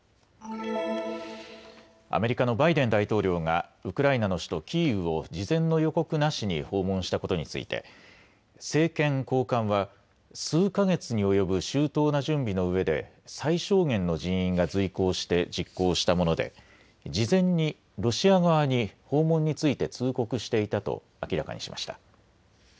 アメリカのバイデン大統領がウクライナの首都キーウを事前の予告なしに訪問したことについて政権高官は数か月に及ぶ周到な準備のうえで最小限の人員が随行して実行したもので事前にロシア側に訪問について通告していたと明らかにしました。